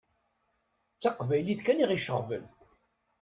D taqbaylit kan i ɣ-iceɣben.